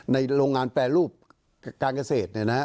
โรงงานแปรรูปการเกษตร